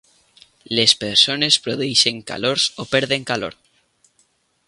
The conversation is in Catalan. Les persones produeixen calors o perden calor.